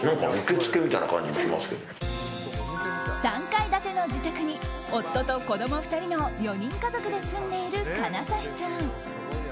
３階建ての自宅に夫と子供２人の４人家族で住んでいる金指さん。